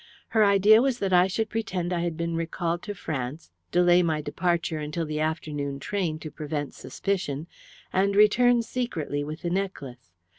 Her idea was that I should pretend I had been recalled to France, delay my departure until the afternoon train to prevent suspicion, and return secretly with the necklace.